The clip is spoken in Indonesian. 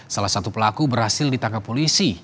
salah satu pelaku berhasil ditangkap polisi